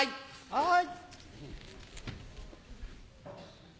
はい。